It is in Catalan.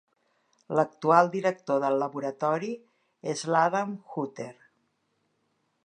L'actual director del laboratori és l'Adam Hutter.